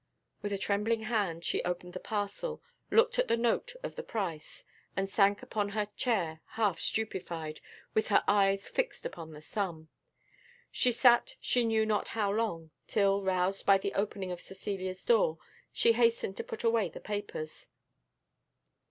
With a trembling hand she opened the parcel, looked at the note of the price, and sank upon her chair half stupified, with her eyes fixed upon the sum. She sat she knew not how long, till, roused by the opening of Cecilia's door, she hastened to put away the papers.